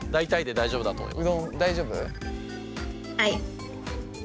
大丈夫だと思います。